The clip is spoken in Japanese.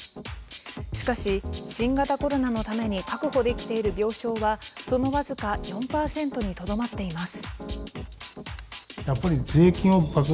しかし、新型コロナのために確保できている病床はその僅か４％にとどまっています。